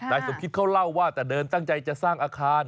สมคิตเขาเล่าว่าแต่เดินตั้งใจจะสร้างอาคาร